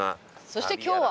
そして今日は？